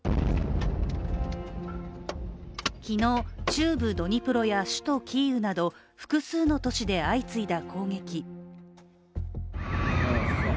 昨日、中部ドニプロや首都キーウなど複数の都市で相次いだ攻撃。